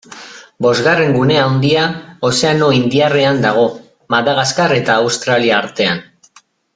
Bosgarren gune handia Ozeano Indiarrean dago, Madagaskar eta Australia artean.